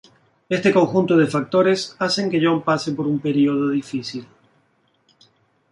Este conjunto de factores, hacen que John pase por un período difícil.